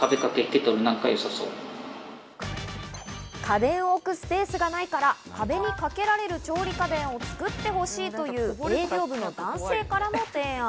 家電を置くスペースがないから壁に掛けられる調理家電を作ってほしいという営業部の男性からの提案。